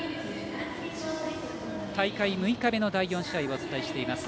大会６日目の第４試合をお伝えしています。